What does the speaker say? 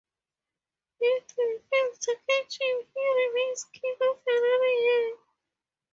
If they fail to catch him he remains King for another year.